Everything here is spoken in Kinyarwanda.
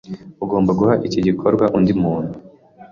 Ugomba guha iki gikorwa undi muntu.